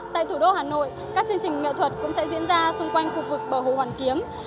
tại thủ đô hà nội các chương trình nghệ thuật cũng sẽ diễn ra xung quanh khu vực bờ hồ hoàn kiếm